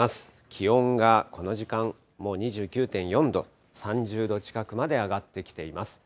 気温がこの時間、もう２９．４度、３０度近くまで上がってきています。